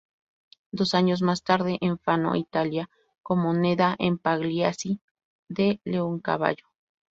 Dos años más tarde en Fano, Italia, como Nedda en "Pagliacci" de Leoncavallo.